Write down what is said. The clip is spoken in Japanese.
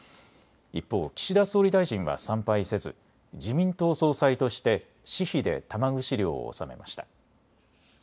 一方、岸田総理大臣は参拝せず自民党総裁として私費で玉串料を納めました。